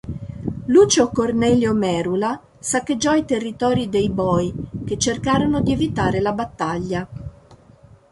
Lucio Cornelio Merula, saccheggiò i territori dei Boi, che cercarono di evitare la battaglia.